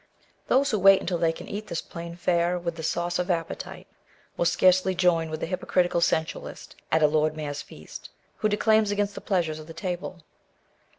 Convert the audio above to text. Those who wait until they can eat this plain fare with the sauce of appetite will scarcely join with the hypo critical sensualist at a lord mayor's feast, who declaims against the pleasures of the tahle.